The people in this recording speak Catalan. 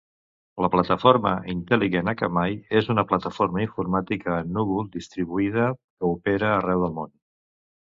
La plataforma intel·ligent Akamai és una plataforma informàtica en núvol distribuïda que opera arreu del món.